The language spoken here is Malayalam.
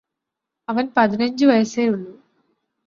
അവൻ പതിനഞ്ചു വയസ്സേയുള്ളൂ